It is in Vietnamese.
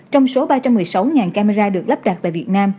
trong số ba trăm một mươi sáu camera được lắp đặt tại việt nam